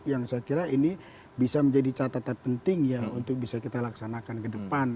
yang saya kira ini bisa menjadi catatan penting ya untuk bisa kita laksanakan ke depan